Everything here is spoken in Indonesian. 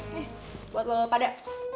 nih buat lo pada